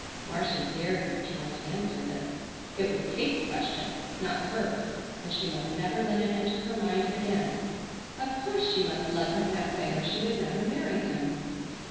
Marcia dared not try to answer this. It was Kate's question, not hers, and she must never let it enter her mind again. Of course she must love him that way or she would never marry him.